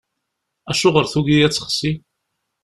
Acuɣer tugi ad texsi?